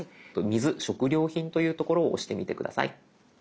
水・食料品という所を押してみて下さい。